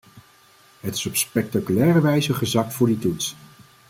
Het is op spectaculaire wijze gezakt voor die toets.